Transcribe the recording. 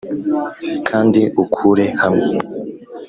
kandi ukure hamwe?